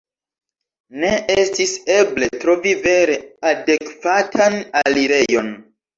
Ne estis eble trovi vere adekvatan elirejon.